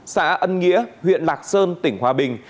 xã ân nghĩa huyện lạc sơn tỉnh hòa bình